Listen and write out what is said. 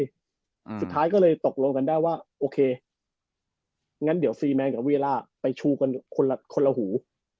สุดท้ายก็เลยตกลงกันได้ว่าโอเคงั้นเดี๋ยวซีแนนกับเวียล่าไปชูกันคนละคนละหู